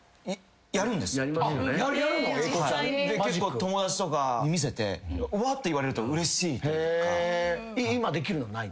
友達とか見せて「うわっ」って言われるとうれしいというか。